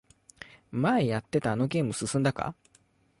前やってたあのゲーム進んだか？